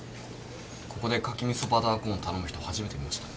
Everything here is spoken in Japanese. ここで牡蠣味噌バターコーン頼む人初めて見ました。